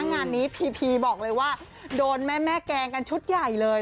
งานนี้พีพีบอกเลยว่าโดนแม่แกล้งกันชุดใหญ่เลย